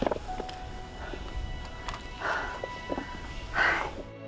はい。